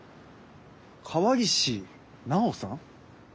川岸奈緒さん？